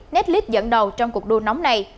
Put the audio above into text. netflix dẫn đầu trong cuộc đua nóng này